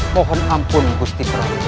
mohon ampun bukti prabu